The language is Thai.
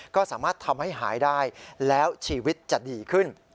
ก็สามารถทำให้หายได้แล้วชีวิตจะดีขึ้น